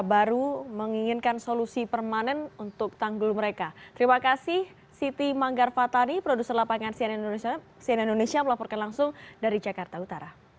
bagaimana agar wilayah pemukul tanah ini tidak terus turun